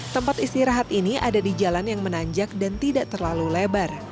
tempat istirahat ini ada di jalan yang menanjak dan tidak terlalu lebar